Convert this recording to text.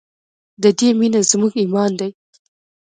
د دې مینه زموږ ایمان دی